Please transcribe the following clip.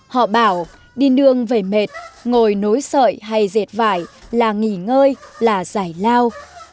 họ bảo đi nương về mệt ngồi nối sợi hay dệt vải là nghỉ ngơi là giải lao